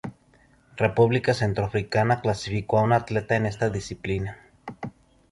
República Centroafricana clasificó a un atleta en esta disciplina.